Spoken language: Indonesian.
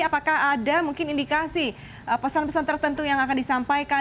apakah ada mungkin indikasi pesan pesan tertentu yang akan disampaikan